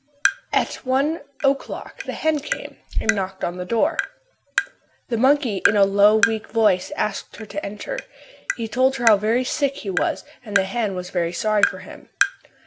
At one o'clock the hen came and knocked at the door. The monkey in a low, weak voice asked her to enter. He told her how very sick he was and the hen was very sorry for him.